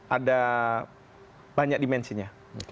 ada banyak dimensinya